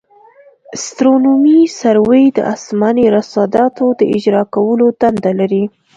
استرونومي سروې د اسماني رصاداتو د اجرا کولو دنده لري